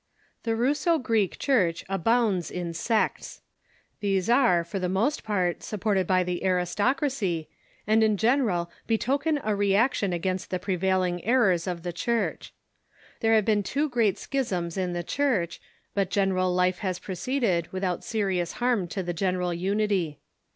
The Russo Greek Church abounds in sects. These are, for the most part, supported by the aristocracy, and in general betoken a reaction against the prevailing errors of the Church. There have been two great schisms in the Church, but general life has proceeded without serious harm to the general unity.